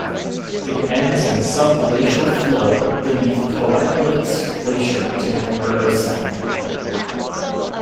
It ends in a sub-glacial flow beneath Koettlitz Glacier to McMurdo Sound.